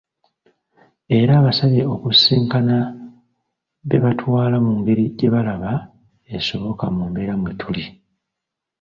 Era abasabye okusisinkana be batwala mu ngeri gye balaba esoboka mu mbeera mwetuli.